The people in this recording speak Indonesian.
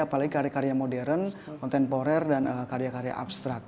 apalagi karya karya modern kontemporer dan karya karya abstrak